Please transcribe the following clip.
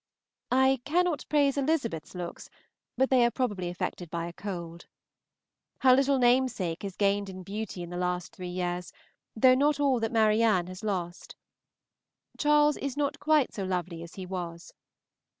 I cannot praise Elizabeth's looks, but they are probably affected by a cold. Her little namesake has gained in beauty in the last three years, though not all that Marianne has lost. Charles is not quite so lovely as he was.